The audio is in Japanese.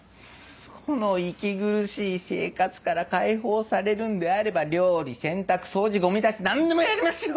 この息苦しい生活から解放されるんであれば料理洗濯掃除ゴミ出し何でもやりますよ。